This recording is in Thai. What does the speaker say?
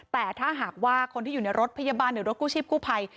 แต่ถ้าหากว่าคนที่อยู่ในรถพยาบาลหรือรถกู้ชีพกู้ภัย